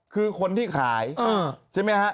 คือคนที่ขายใช่ไหมฮะ